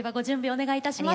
お願いいたします。